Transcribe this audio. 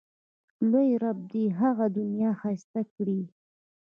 لوی رب دې یې هغه دنیا ښایسته کړي.